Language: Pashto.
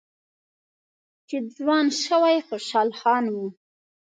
چې ځوان شوی خوشحال خان و